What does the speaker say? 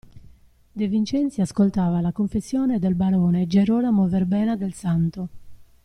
De Vincenzi ascoltava la confessione del barone Gerolamo Verbena del Santo.